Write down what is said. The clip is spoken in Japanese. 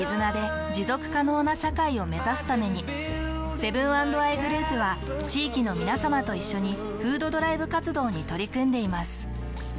セブン＆アイグループは地域のみなさまと一緒に「フードドライブ活動」に取り組んでいます。